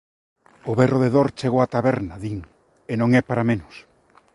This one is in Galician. O berro de dor chegou á taberna, din, e non é para menos: